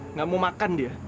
enggak mau makan dia